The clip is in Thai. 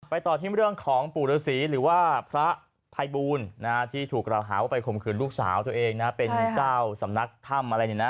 ต่อที่เรื่องของปู่ฤษีหรือว่าพระภัยบูลที่ถูกกล่าวหาว่าไปข่มขืนลูกสาวตัวเองนะเป็นเจ้าสำนักถ้ำอะไรเนี่ยนะ